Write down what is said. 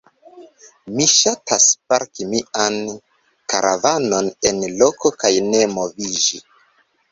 Mi ŝatas parki mian karavanon en loko kaj ne moviĝi.